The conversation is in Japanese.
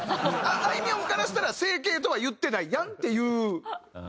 あいみょんからしたら整形とは言ってないやんっていうね